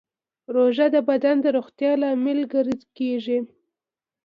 روژه د بدن د روغتیا لامل کېږي.